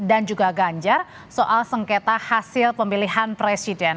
dan juga ganjar soal sengketa hasil pemilihan presiden